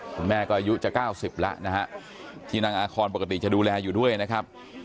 คุณแม่ก็อายุจะ๙๐แล้วนะฮะที่นางอาคอนปกติจะดูแลอยู่ด้วยนะครับ